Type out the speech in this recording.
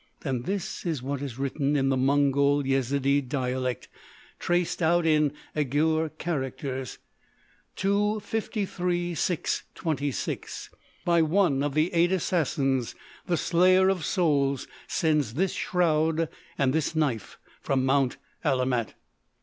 "Then this is what is written in the Mongol Yezidee dialect, traced out in Eighur characters: 'To 53 6 26! By one of the Eight Assassins the Slayer of Souls sends this shroud and this knife from Mount Alamout.